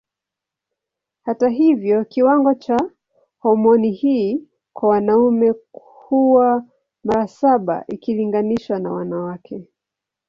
Hata hivyo kiwango cha homoni hii kwa wanaume huwa mara saba ikilinganishwa na wanawake.